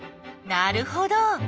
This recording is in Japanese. なるほど！